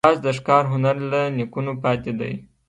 باز د ښکار هنر له نیکونو پاتې دی